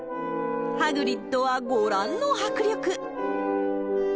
ハグリッドはご覧の迫力。